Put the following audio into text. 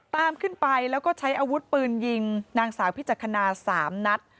ตามขึ้นไปแล้วก็ใช้อาวุธปืนยิงนางสาวพิจักษณา๓นัด